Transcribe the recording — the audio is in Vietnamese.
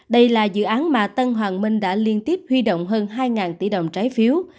đây là dự án mà tân hoàng minh đã liên tiếp huy động hơn hai tỷ đồng trái phiếu